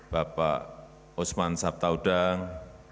bapak osman sabtaudang